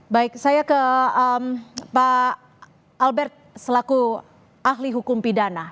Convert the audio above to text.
baik saya ke pak albert selaku ahli hukum pidana